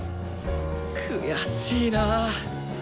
悔しいなぁ！